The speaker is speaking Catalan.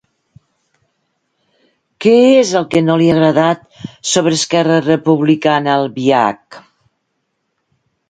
Què és el que no li ha agradat sobre Esquerra Republicana a Albiach?